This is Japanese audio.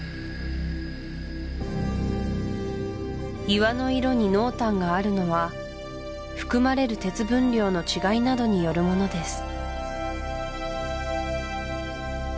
岩の色に濃淡があるのは含まれる鉄分量の違いなどによるものです